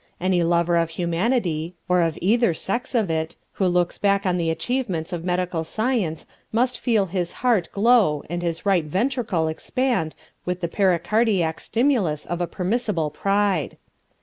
Any lover of humanity (or of either sex of it) who looks back on the achievements of medical science must feel his heart glow and his right ventricle expand with the pericardiac stimulus of a permissible pride.